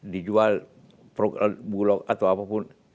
dijual bulog atau apapun